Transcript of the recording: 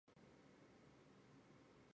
张升六十九岁致仕。